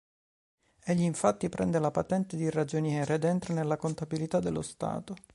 Egli infatti prende la patente di ragioniere ed entra nella Contabilità dello Stato.